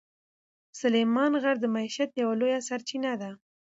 سلیمان غر د معیشت یوه لویه سرچینه ده.